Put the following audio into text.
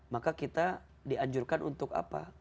maka kita dianjurkan untuk apa